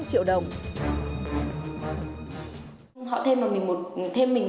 theo ông tuấn cách thức hoạt động của những kênh này hết sức tình vi